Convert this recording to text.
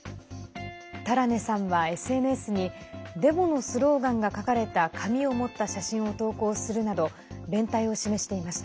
タラネさんはＳＮＳにデモのスローガンが書かれた紙を持った写真を投稿するなど連帯を示していました。